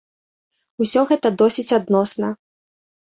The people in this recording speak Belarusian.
Усё гэта досыць адносна.